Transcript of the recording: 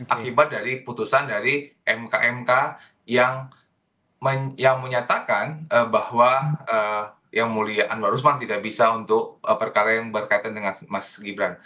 akibat dari putusan dari mk mk yang menyatakan bahwa yang mulia anwar usman tidak bisa untuk perkara yang berkaitan dengan mas gibran